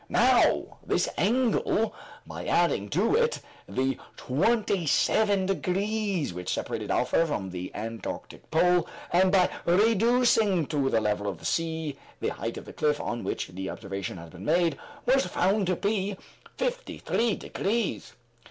Now, this angle by adding to it the twenty seven degrees which separated Alpha from the antarctic pole, and by reducing to the level of the sea the height of the cliff on which the observation had been made, was found to be fifty three degrees.